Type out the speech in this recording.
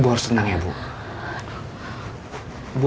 budut lo universenanya ibu